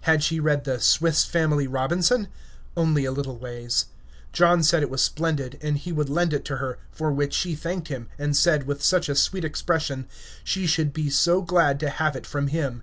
Had she read the "Swiss Family Robinson"? Only a little ways. John said it was splendid, and he would lend it to her, for which she thanked him, and said, with such a sweet expression, she should be so glad to have it from him.